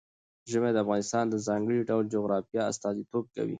ژمی د افغانستان د ځانګړي ډول جغرافیه استازیتوب کوي.